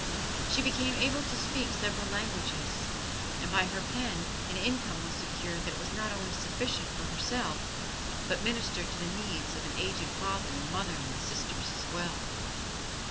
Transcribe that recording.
She became able to speak several languages, and by her pen an income was secured that was not only sufficient for herself, but ministered to the needs of an aged father and mother and sisters as well.